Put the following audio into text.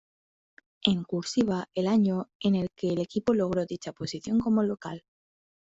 En "cursiva" el año en el que el equipo logró dicha posición como local.